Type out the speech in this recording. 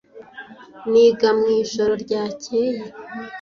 Niga mwijoro ryakeye.